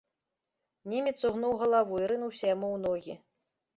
Немец угнуў галаву і рынуўся яму ў ногі.